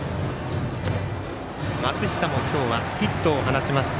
松下も今日、ヒットを放ちました。